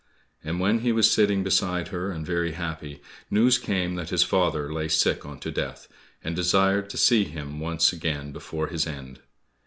And when he was sitting beside her and very happy, news came that his father lay sick unto death, and desired to see him once again before his end.